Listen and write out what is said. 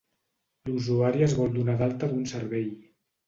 L'usuari es vol donar d'alta d'un servei.